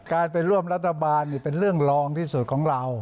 การไปร่วมรัฐบาลเป็นเรื่องรองที่สุดของเรา